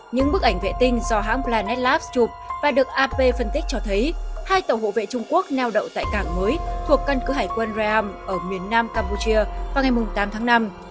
những bức ảnh vệ tinh do hãng planetaf chụp và được ap phân tích cho thấy hai tàu hộ vệ trung quốc neo đậu tại cảng mới thuộc căn cứ hải quân raam ở miền nam campuchia vào ngày tám tháng năm